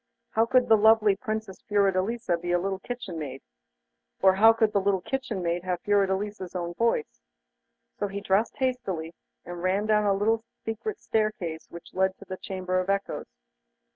How could the lovely Princess Fiordelisa be a little kitchen maid? or how could a little kitchen maid have Fiordelisa's own voice? So he dressed hastily, and ran down a little secret staircase which led to the Chamber of Echoes.